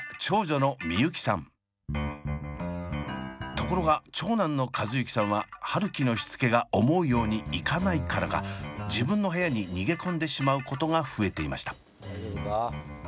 ところが長男の和友輝さんは春輝のしつけが思うようにいかないからか自分の部屋に逃げ込んでしまうことが増えていました。